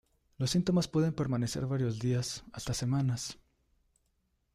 Los síntomas pueden permanecer varios días hasta semanas.